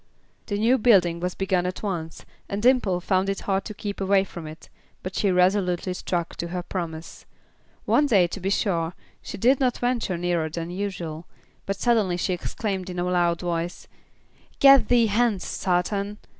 The new building was begun at once, and Dimple found it hard to keep away from it, but she resolutely stuck to her promise. One day, to be sure, she did not venture nearer than usual, but suddenly she exclaimed in a loud voice, "Get thee hence, satan!"